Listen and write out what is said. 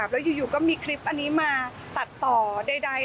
แล้วอยู่ก็มีคลิปอันนี้มาตัดต่อใด